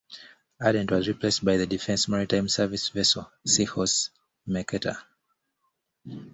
"Ardent" was replaced by the Defence Maritime Services vessel "Seahorse Mercator".